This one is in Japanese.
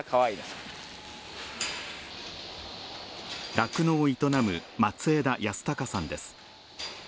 酪農を営む松枝靖孝さんです。